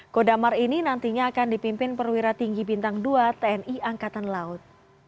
kodamar ini nantinya akan dipimpin perwira tinggi bintang dua tni angkatan laut